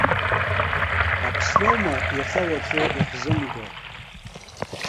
Аԥсны аума иахьа-уаҵәы иаҳзымго!